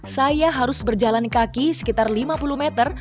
saya harus berjalan kaki sekitar lima puluh meter